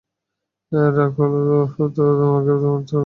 রাগ হলেই কি তুমি বোম্ব থ্রেট দাও?